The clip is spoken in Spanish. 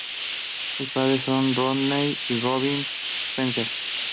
Sus padres son Rodney y Robyn Spencer.